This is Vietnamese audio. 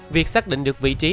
việc xác định được vị trí